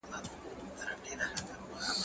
دا ونه له هغه لويه ده؟!